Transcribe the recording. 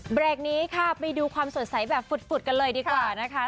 เบรกนี้ค่ะไปดูความสดใสแบบฝุดกันเลยดีกว่านะคะ